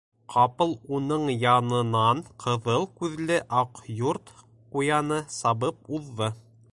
Ҡапыл уның янынан ҡыҙыл күҙле Аҡ Йорт ҡуяны сабып уҙҙы.